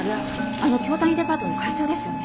あの京谷デパートの会長ですよね。